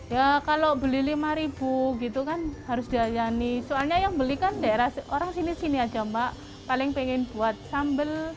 ya kalau beli lima ribu gitu kan harus daya nih soalnya yang belikan daerah orang sini sini aja mbak paling pengen buat sambel